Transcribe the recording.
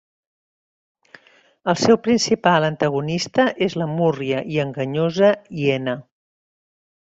El seu principal antagonista és la múrria i enganyosa hiena.